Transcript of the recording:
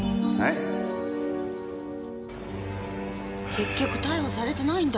結局逮捕されてないんだ？